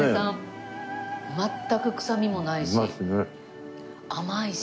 全くくさみもないし甘いし。